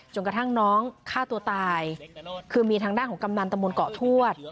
กระทั่งน้องฆ่าตัวตายคือมีทางด้านของกำนันตะมนต์เกาะทวด